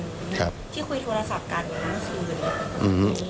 ที่คุยโทรศัพท์กันเมื่อเมื่อกี้